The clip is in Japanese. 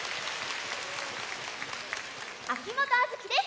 秋元杏月です。